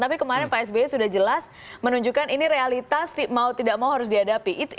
tapi kemarin pak sby sudah jelas menunjukkan ini realitas mau tidak mau harus dihadapi